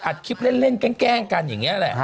คลิปเล่นแกล้งกันอย่างนี้แหละ